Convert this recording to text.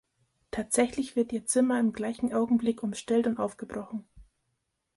Tatsächlich wird ihr Zimmer im gleichen Augenblick umstellt und aufgebrochen.